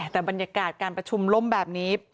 แต่บรรยากาศการประชุมล่มแบบนี้